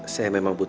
saya memang butuh